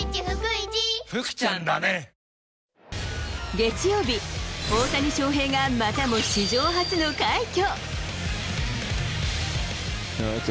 月曜日、大谷翔平が、またも史上初の快挙。